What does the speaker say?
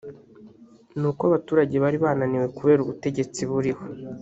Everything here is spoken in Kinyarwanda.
ni uko abaturage bari bananiwe kubera ubutegetsi buriho